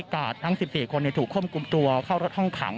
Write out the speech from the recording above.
กลุ่มกา๑๔คนถูกคล่มกลุ่มตัวเข้ารถห้องขัง